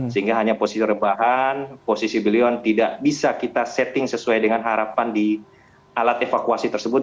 sehingga hanya posisi rebahan posisi beliau tidak bisa kita setting sesuai dengan harapan di alat evakuasi tersebut